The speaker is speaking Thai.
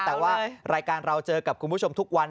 แต่ว่ารายการเราเจอกับคุณผู้ชมทุกวัน